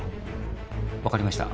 分かりました。